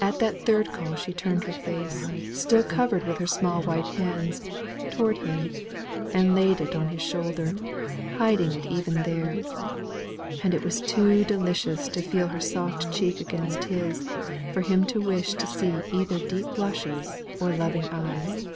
At that third call she turned her face, still covered with her small white hands, towards him, and laid it on his shoulder, even hiding it there; and it was too delicious to feel her soft cheek against his, for him to wish to see either deep blushes or loving eyes.